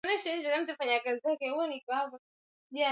tunawatakia wasikilizaji wetu wote wanapotusikiliza